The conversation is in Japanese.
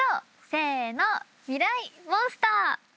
せーのミライ☆モンスター。